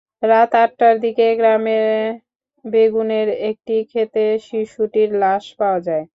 রাত আটটার দিকে গ্রামের বেগুনের একটি খেতে শিশুটির লাশ পাওয়া যায়।